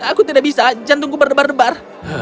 aku tidak bisa jantungku berdebar debar